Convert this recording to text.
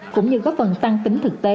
cũng như góp phần tăng tính thực tế